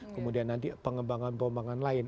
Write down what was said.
kemudian nanti pengembangan pengembangan lain